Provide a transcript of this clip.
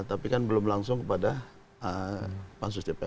tapi kan belum langsung kepada pansus dpr